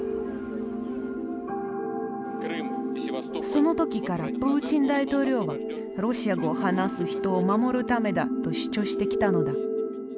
その時からプーチン大統領はロシア語を話す人を守るためだと主張してきたのだ。